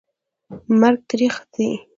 مرګ تریخ دي